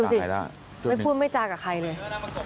อืมนี่ดูสิไม่พูดไม่จากกับใครเลย